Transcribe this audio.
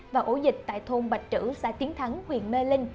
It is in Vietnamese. và ổ dịch tại thôn bạch trữ xã tiến thắng huyện mê linh